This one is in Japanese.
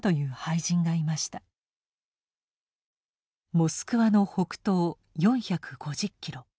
モスクワの北東４５０キロ。